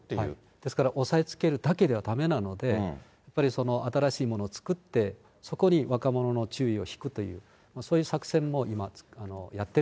ですから、抑えつけるだけではだめなので、やっぱり新しいものを作ってそこに若者の注意を引くという、そういう作戦も今、やってる。